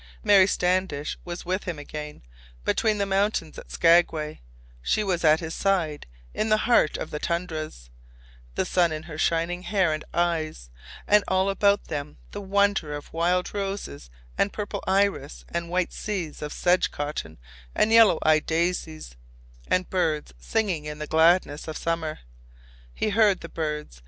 Mary Standish was with him again, between the mountains at Skagway; she was at his side in the heart of the tundras, the sun in her shining hair and eyes, and all about them the wonder of wild roses and purple iris and white seas of sedge cotton and yellow eyed daisies, and birds singing in the gladness of summer. He heard the birds.